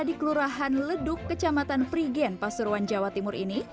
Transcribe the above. di kelurahan leduk kecamatan prigen pasuruan jawa timur ini